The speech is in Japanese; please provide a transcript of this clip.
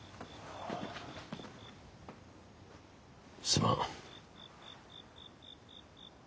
すまん。